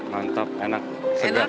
mantap enak segar